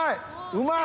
うまい！